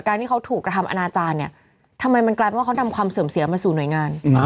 ที่เขาถูกกระทำอนาจารย์เนี่ยทำไมมันกลายเป็นว่าเขานำความเสื่อมเสียมาสู่หน่วยงาน